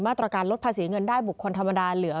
มาตรการลดภาษีเงินได้บุคคลธรรมดาเหลือ